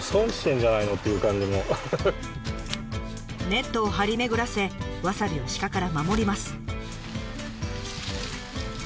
ネットを張り巡らせわさびを鹿から守ります。